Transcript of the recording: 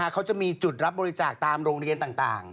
เขาจะมีจุดรับบริจาคตามโรงเรียนต่าง